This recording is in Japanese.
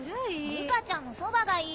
ルカちゃんのそばがいい。